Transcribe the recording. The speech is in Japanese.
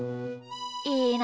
いいな。